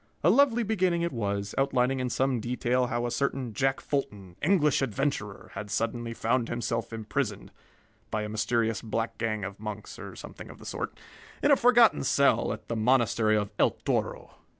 A lovely beginning it was, outlining in some detail how a certain Jack Fulton, English adventurer, had suddenly found himself imprisoned (by a mysterious black gang of monks, or something of the sort) in a forgotten cell at the monastery of El Toro.